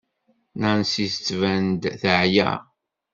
Nancy tettban-d teɛya.